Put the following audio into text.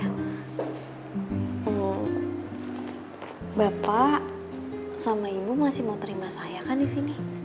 lho bapak sama ibu masih mau terima saya kan disini